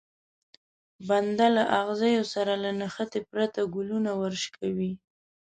بنده له ازغيو سره له نښتې پرته ګلونه ورشکوي.